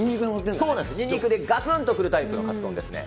ニンニクでがつんとくるタイプのカツ丼ですね。